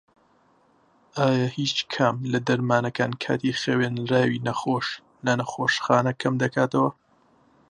ئایا هیچ کام لە دەرمانەکان کاتی خەوێنراوی نەخۆش لە نەخۆشخانە کەمدەکاتەوە؟